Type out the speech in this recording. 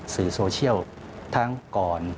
สื่อโซเชียลทั้งก่อน